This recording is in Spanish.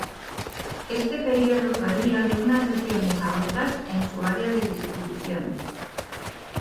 Este periodo varía de unas regiones a otras en su área de distribución.